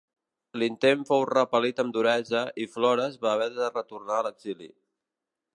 L'intent fou repel·lit amb duresa i Flores va haver de retornar a l'exili.